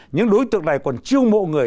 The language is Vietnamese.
những đối tượng này còn chiêu mộ người